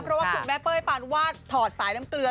เพราะว่าคุณแม่เป้ยปานวาดถอดสายน้ำเกลือ